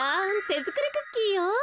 てづくりクッキーよ。